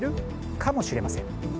かもしれません。